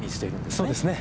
そうですね。